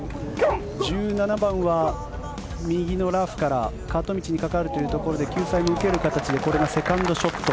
１７番は右のラフからカート道にかかるということで救済を受ける形でこれがセカンドショット。